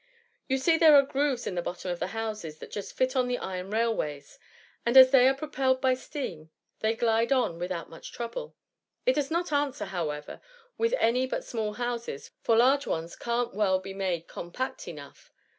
You see there are grooves in the bottom of the houses that just fit on the iron railways ; and as they are propelled by steam, they slide on without much trouble. It does not answer, however, with any but small houses, for large ones can^t well be made compact enough.